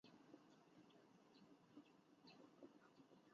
是少数可修读此科之学校之一。